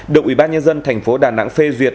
được ubnd thành phố đà nẵng phê duyệt